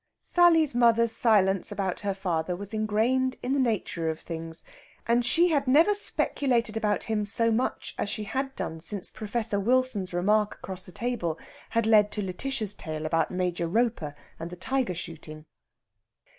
Sally's mother's silence about her father was ingrained in the nature of things, and she had never speculated about him so much as she had done since Professor Wilson's remark across the table had led to Lætitia's tale about Major Roper and the tiger shooting.